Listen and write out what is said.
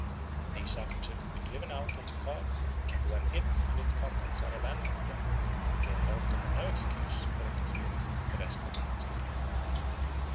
"These are considered to be driven out with the car; and when it and its contents are abandoned to them, they are held to have no excuse for interfering with the rest of the seed corn."